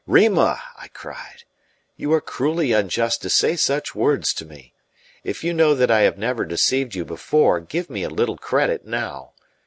"Rima," I cried, "you are cruelly unjust to say such words to me. If you know that I have never deceived you before, give me a little credit now.